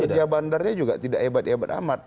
karena kerja bandarnya juga tidak hebat hebat amat